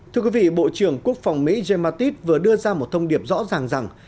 thưa quý vị bộ trưởng quốc phòng mỹ gematis vừa đưa ra một thông điệp rõ ràng rằng